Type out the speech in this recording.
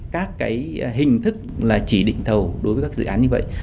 các cái hình thức là chỉ định thầu đối với các dự án như vậy